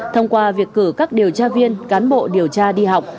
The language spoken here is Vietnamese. thông qua việc cử các điều tra viên cán bộ điều tra đi học